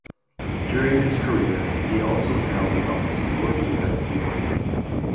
During his career he also held the office of Lord Mayor of York.